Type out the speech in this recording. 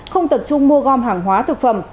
không tập trung mua gom hàng hóa thực phẩm